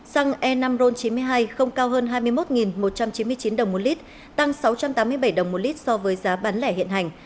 xăng e năm ron chín mươi hai không cao hơn hai mươi một một trăm chín mươi chín đồng một lít tăng sáu trăm tám mươi bảy đồng một lít so với giá bán lẻ hiện hành